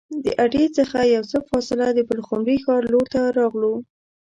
د اډې څخه یو څه فاصله د پلخمري ښار لور ته راغلو.